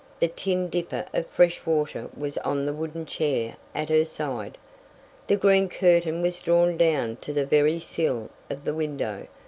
The tin dipper of fresh water was on the wooden chair at her side. The green curtain was drawn down to the very sill of the window.